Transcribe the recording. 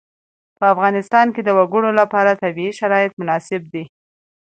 په افغانستان کې د وګړي لپاره طبیعي شرایط مناسب دي.